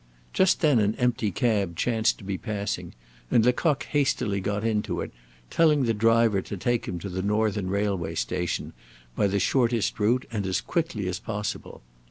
Just then an empty cab chanced to be passing, and Lecoq hastily got into it, telling the driver to take him to the Northern Railway Station by the shortest route and as quickly as possible.